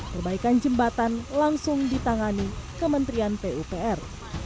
perbaikan jembatan langsung ditangani kementerian pupr